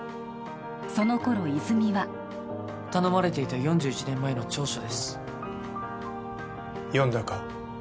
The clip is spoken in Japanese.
その頃泉は頼まれていた４１年前の調書です読んだか？